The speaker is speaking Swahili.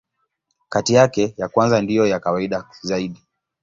Kati yake, ya kwanza ndiyo ya kawaida zaidi.